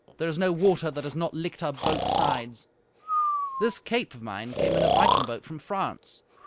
There is no water that has not licked our boats' sides. This cape of mine came in a viking boat from France.